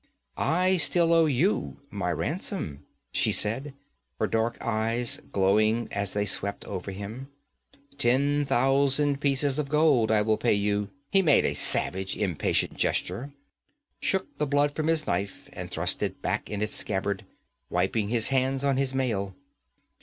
'I still owe you my ransom,' she said, her dark eyes glowing as they swept over him. 'Ten thousand pieces of gold I will pay you ' He made a savage, impatient gesture, shook the blood from his knife and thrust it back in its scabbard, wiping his hands on his mail.